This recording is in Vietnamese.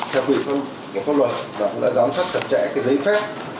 theo quy định của pháp luật và cũng đã giám sát chặt chẽ giấy phép